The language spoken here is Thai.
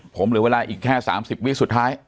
ผมเหลือเวลาอีกแค่๓๐วิสุดท้าย